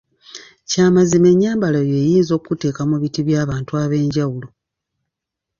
Kya mazima ennyambala yo eyinza okukuteeka mu biti bya bantu ab‘enjawulo.